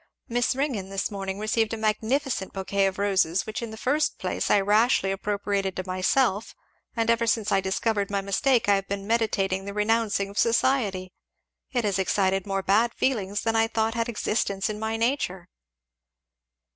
Miss Ringgan this morning received a magnificent bouquet of roses which in the first place I rashly appropriated to myself; and ever since I discovered my mistake I have been meditating the renouncing of society it has excited more bad feelings than I thought had existence in my nature."